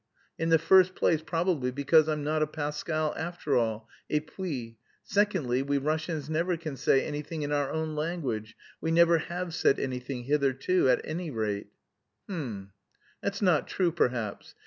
In the first place probably because I'm not a Pascal after all, et puis... secondly, we Russians never can say anything in our own language.... We never have said anything hitherto, at any rate...." "H'm! That's not true, perhaps.